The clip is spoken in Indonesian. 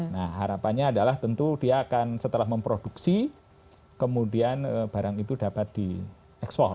nah harapannya adalah tentu dia akan setelah memproduksi kemudian barang itu dapat diekspor